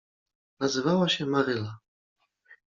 Nazywała się Maryla.